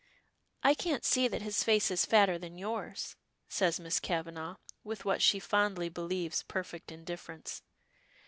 "I can't see that his face is fatter than yours," says Miss Kavanagh, with what she fondly believes perfect indifference.